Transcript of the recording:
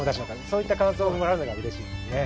そういった感想をもらうのがうれしいですね。